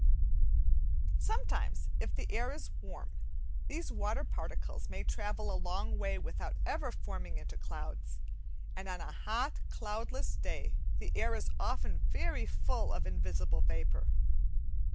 Sometimes, if the air is warm, these water particles may travel a long way without ever forming into clouds; and on a hot, cloudless day the air is often very full of invisible vapour.